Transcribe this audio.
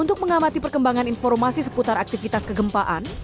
untuk mengamati perkembangan informasi seputar aktivitas kegempaan